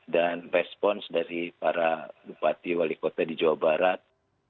dan respons dari para bupati wali kota di jawa barat